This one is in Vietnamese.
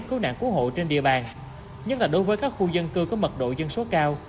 cứu nạn cứu hộ trên địa bàn nhất là đối với các khu dân cư có mật độ dân số cao